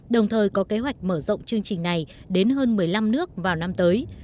đồng thời có kế hoạch mở rộng chương trình này đến hơn một mươi năm nước vào năm tới